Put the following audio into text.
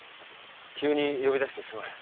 急に呼び出してすまない。